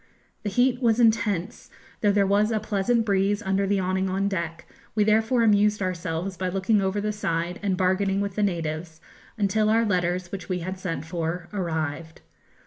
The heat was intense, though there was a pleasant breeze under the awning on deck; we therefore amused ourselves by looking over the side and bargaining with the natives, until our letters, which we had sent for, arrived.